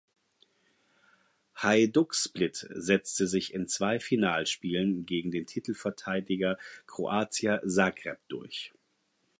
Hajduk Split setzte sich in zwei Finalspielen gegen den Titelverteidiger Croatia Zagreb durch.